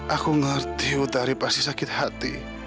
aku ngerti hutari pasti sakit hati